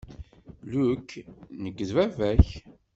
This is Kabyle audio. Luke, nekk d baba-k.